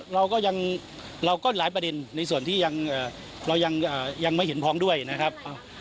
เราก็ยังเราก็หลายประเด็นในส่วนที่เรายังไม่เห็นพ้องด้วยนะครับ